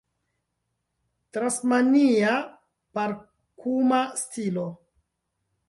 Tasmania parkuma stilo